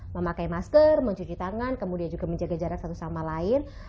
memakai masker mencuci tangan kemudian juga menjaga jarak satu sama lain